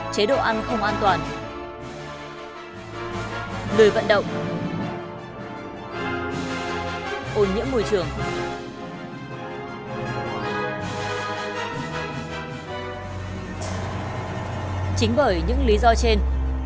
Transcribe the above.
chế độ ăn không an toàn lười vận động ồn nhiễm môi trường chính bởi những lý do trên